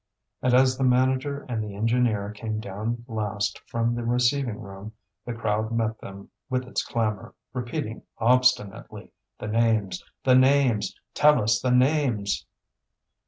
And as the manager and the engineer came down last from the receiving room, the crowd met them with its clamour, repeating obstinately: "The names! the names! Tell us the names!"